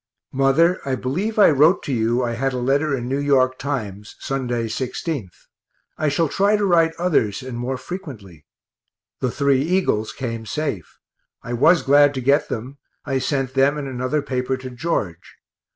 Mother, I believe I wrote to you I had a letter in N. Y. Times, Sunday, 16th I shall try to write others and more frequently. The three Eagles came safe; I was glad to get them I sent them and another paper to George.